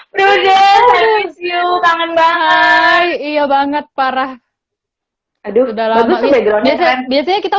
prudence i miss you kangen banget iya banget parah aduh udah lama ini biasanya kita